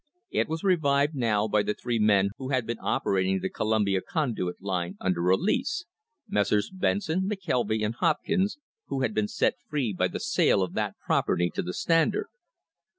It was revived now by the three men who had been operating the Columbia Conduit Line under a lease — Messrs. Benson, McKelvy and Hopkins, who had been set free by the sale of that property to the Standard.